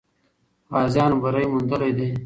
غازیانو بری موندلی دی.